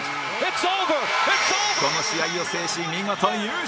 この試合を制し見事優勝！